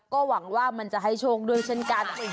ก็หวังว่ามันจะให้โชคด้วยเช่นกัน